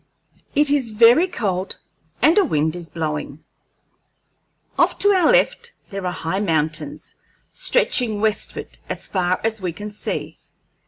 It is very cold, and a wind is blowing. Off to our left there are high mountains, stretching westward as far as we can see.